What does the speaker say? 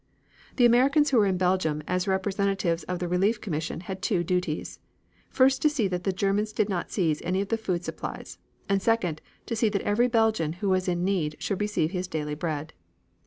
The Americans who were in Belgium as representatives of the Relief Commission had two duties. First, to see that the Germans did not seize any of the food supplies, and second, to see that every Belgian who was in need should receive his daily bread.